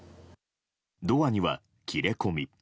ドアには切れ込み。